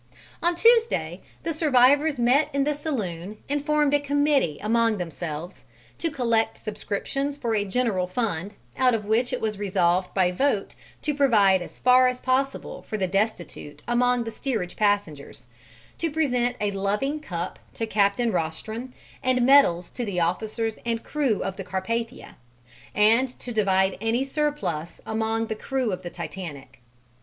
On Tuesday the survivors met in the saloon and formed a committee among themselves to collect subscriptions for a general fund, out of which it was resolved by vote to provide as far as possible for the destitute among the steerage passengers, to present a loving cup to Captain Rostron and medals to the officers and crew of the Carpathia, and to divide any surplus among the crew of the Titanic.